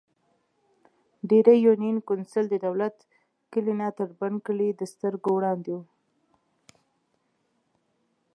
ډېرۍ يونېن کونسل ددولت کلي نه تر د بڼ کلي دسترګو وړاندې وو ـ